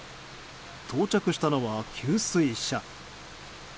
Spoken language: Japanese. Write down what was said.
到着したのは給水車。